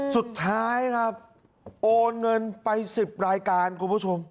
สุดท้ายครับโอนเงินไป๑๐รายการคุณผู้ชม